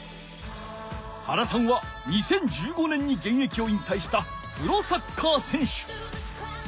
原さんは２０１５年にげんえきを引たいしたプロサッカー選手。